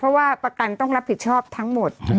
เพราะว่าประกันต้องรับผิดชอบทั้งหมด